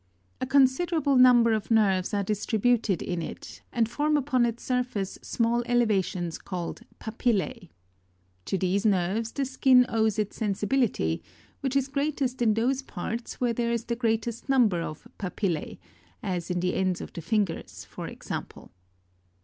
A considerable number of nerves are distributed in it, and form upon its surface small elevations called papillae. To these nerves the skin owes its sensibility, which is greatest in those parts where there is the greatrst number of papillae, as in the ends of the fingers for ex ample.